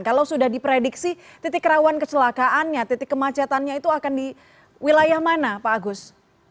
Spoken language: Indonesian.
kalau sudah diprediksi titik rawan kecelakaannya titik kemacetannya itu akan di wilayah mana pak agus